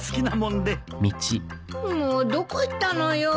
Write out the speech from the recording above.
もうどこ行ったのよ。